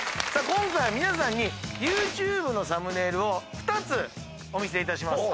今回皆さんにＹｏｕＴｕｂｅのサムネイルを２つお見せいたします。